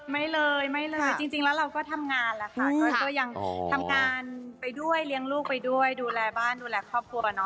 ไม่เลยไม่เลยจริงแล้วเราก็ทำงานแหละค่ะก็ยังทำงานไปด้วยเลี้ยงลูกไปด้วยดูแลบ้านดูแลครอบครัวเนาะ